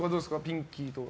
ピンキーとか。